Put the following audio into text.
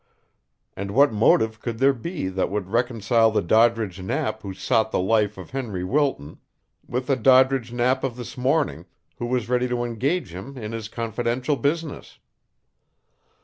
And what motive could there be that would reconcile the Doddridge Knapp who sought the life of Henry Wilton, with the Doddridge Knapp of this morning, who was ready to engage him in his confidential business?